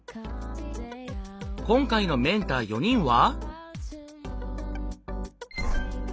今回のメンター４人は？